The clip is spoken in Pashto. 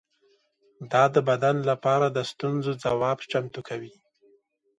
دا د بدن لپاره د ستونزو ځواب چمتو کوي.